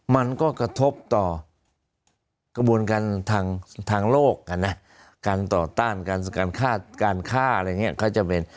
มันก็กระทบต่อกระบวนการทางโลกการต่อต้านการฆ่าอะไรอย่างนี้ก็จะเป็น